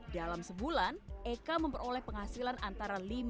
dalam sebulan eka memperoleh penghasilan antarabangsa